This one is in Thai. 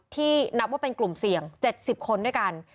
นับว่าเป็นกลุ่มเสี่ยง๗๐คนด้วยกัน